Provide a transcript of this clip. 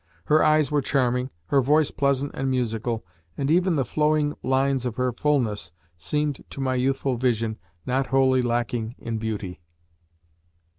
Her eyes were charming, her voice pleasant and musical, and even the flowing lines of her fullness seemed to my youthful vision not wholly lacking in beauty.